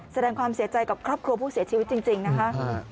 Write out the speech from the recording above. แสดงความเสียใจกับครอบครัวผู้เสียชีวิตจริงนะคะ